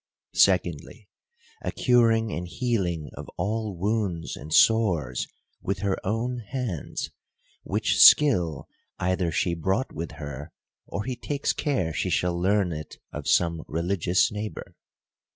Secondly, a curing and healing of all wounds and sores with her own hands ; which skill either she brought with her, or he takes care she shall learn it of some religious neighbor.